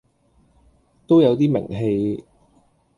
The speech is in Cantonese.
都有啲名氣